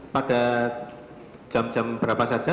pada jam jam berapa saja